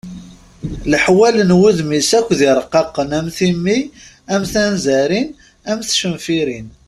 Leḥwal n wudem-is akk d irqaqen am timmi, am tanzarin, am tcenfirin.